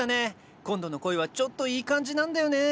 今度の恋はちょっといい感じなんだよね。